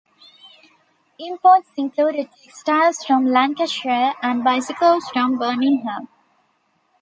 Imports included textiles from Lancashire and bicycles from Birmingham.